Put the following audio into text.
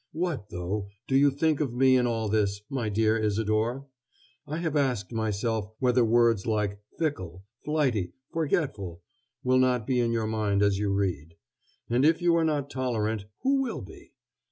What, though, do you think of me in all this, my dear Isadore? I have asked myself whether words like "fickle," "flighty," "forgetful," will not be in your mind as you read. And if you are not tolerant, who will be?